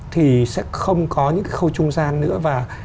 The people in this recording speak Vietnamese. thì sẽ không có những cái khâu trung gian nữa